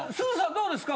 どうですか？